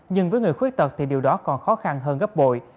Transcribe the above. nhưng với người khuyết tật thì điều đó còn khó khăn hơn gấp bội